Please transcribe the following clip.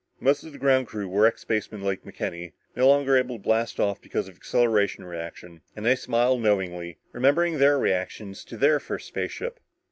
Most of the ground crew were ex spacemen like McKenny, no longer able to blast off because of acceleration reaction. And they smiled knowingly, remembering their reactions to their first spaceship.